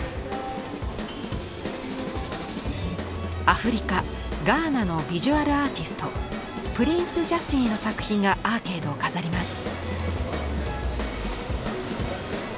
アフリカガーナのヴィジュアルアーティストプリンス・ジャスィの作品がアーケードを飾ります。